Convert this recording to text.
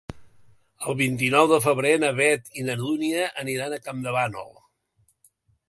El vint-i-nou de febrer na Beth i na Dúnia aniran a Campdevànol.